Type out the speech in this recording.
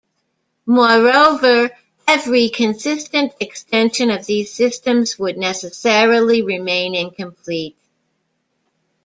Moreover, every consistent extension of these systems would necessarily remain incomplete.